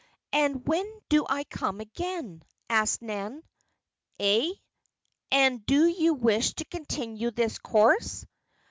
"And when do I come again?" asked Nan. "Eh? And do you wish to continue this course?"